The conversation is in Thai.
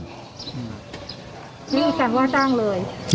นี่การว่าจ้างเลย